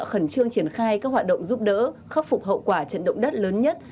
khẩn trương triển khai các hoạt động giúp đỡ khắc phục hậu quả trận động đất lớn nhất